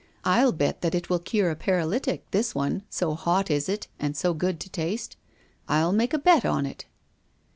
I'll bet that it will cure a paralytic, this one, so hot is it and so good to taste I'll make a bet on it!"